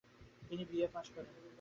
তিনি BA pass করেন ।